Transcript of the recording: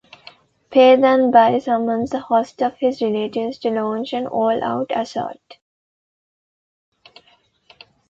Pa Danby summons a host of his relatives to launch an all-out assault.